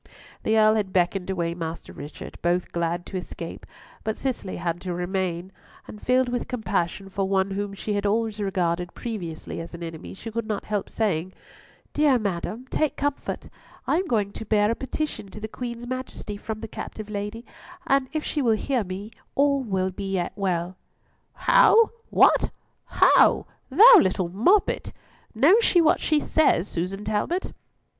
The Earl had beckoned away Master Richard, both glad to escape; but Cicely had to remain, and filled with compassion for one whom she had always regarded previously as an enemy, she could not help saying, "Dear madam, take comfort; I am going to bear a petition to the Queen's Majesty from the captive lady, and if she will hear me all will yet be well." "How! What? How! Thou little moppet! Knows she what she says, Susan Talbot?"